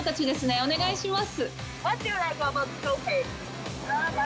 お願いします。